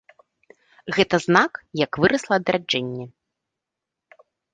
Гэта знак, як вырасла адраджэнне.